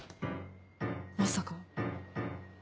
まさか。